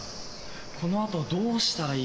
このあとをどうしたらいいか。